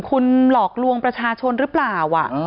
คุณหลอกลวงประชาชนหรือเปล่า